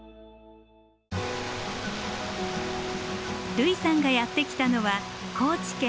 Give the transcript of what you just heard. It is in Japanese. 類さんがやって来たのは高知県